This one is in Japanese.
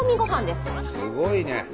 すごいね。